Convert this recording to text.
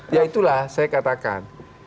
ya itulah saya katakan